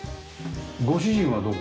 ご主人はどこ？